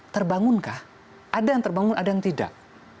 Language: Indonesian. terbangunkah ada yang terbangun ada yang tidak